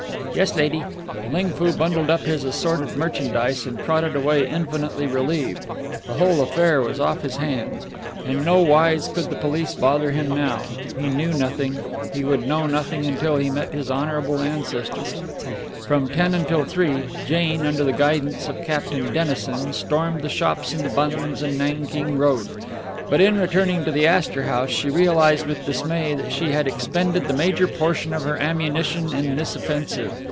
"Yes, lady." Ling Foo bundled up his assorted merchandise and trotted away infinitely relieved. The whole affair was off his hands. In no wise could the police bother him now. He knew nothing; he would know nothing until he met his honourable ancestors. From ten until three Jane, under the guidance of Captain Dennison, stormed the shops on the Bunds and Nanking Road; but in returning to the Astor House she realized with dismay that she had expended the major portion of her ammunition in this offensive.